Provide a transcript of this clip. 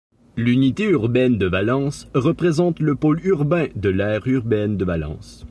L'unité urbaine de Valence représente le pôle urbain de l'aire urbaine de Valence.